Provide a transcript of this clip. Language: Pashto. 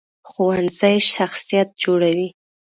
ښوونځی شخصیت جوړوي